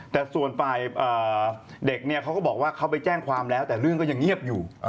แต่ส่วนฝ่ายเด็กเนี่ยเขาก็บอกว่าเขาไปแจ้งความแล้วแต่เรื่องก็ยังเงียบอยู่